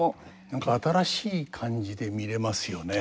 何か新しい感じで見れますよね。